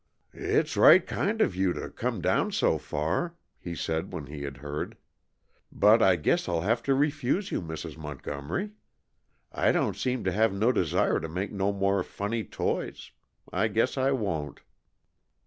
"It's right kind of you to come down so far," he said when he had heard, "but I guess I'll have to refuse you, Mrs. Montgomery. I don't seem to have no desire to make no more funny toys. I guess I won't."